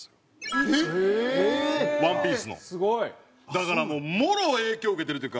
だからもろ影響受けてるというか。